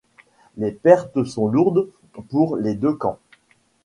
Les pertes sont lourdes pour les deux camps.